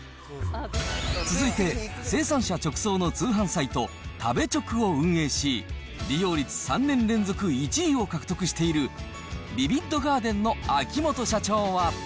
続いて、生産者直送の通販サイト、食べチョクを運営し、利用率３年連続１位を獲得している、ビビッドガーデンの秋元社長は。